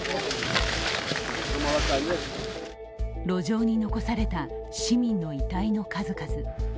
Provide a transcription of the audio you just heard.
路上に残された市民の遺体の数々。